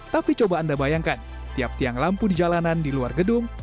tapi coba anda bayangkan tiap tiang lampu di jalanan di luar gedung